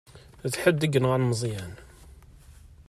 D ḥedd i yenɣan Meẓyan.